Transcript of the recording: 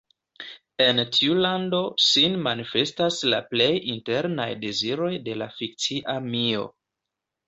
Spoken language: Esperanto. En tiu lando sin manifestas la plej internaj deziroj de la fikcia mio.